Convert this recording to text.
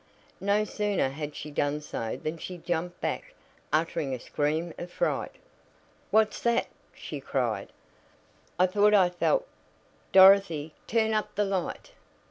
No sooner had she done so than she jumped back, uttering a scream of fright. "What's that?" she cried. "I thought I felt Dorothy, turn up the light!"